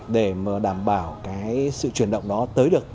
để mà đảm bảo cái sự chuyển động đó tới được